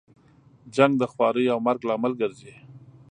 جنګ د خوارۍ او مرګ لامل ګرځي.